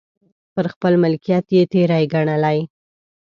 پر خپل ملکیت یې تېری ګڼلی.